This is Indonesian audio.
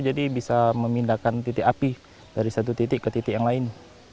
jadi bisa memindahkan titik api dari satu titik ke titik yang lain